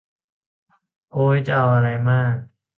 โอย จะเอาอะไรมาก